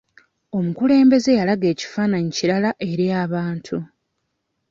Omukulembeze yalaga ekifaananyi kirala eri abantu.